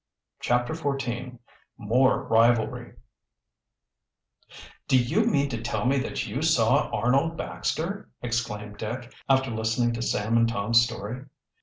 CHAPTER XXIV MORE RIVALRY "Do you mean to tell me that you saw Arnold Baxter?" exclaimed Dick, after listening to Sam and Tom's story.